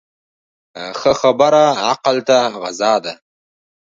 ښه خبره عقل ته غذا ده.